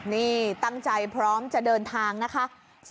นี่ตั้งใจพร้อมจะเดินทางนะคะ